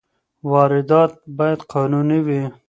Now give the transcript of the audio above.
واردات باید قانوني وي.